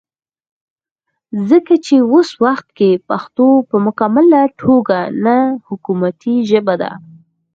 ځکه چې وس وخت کې پښتو پۀ مکمله توګه نه حکومتي ژبه ده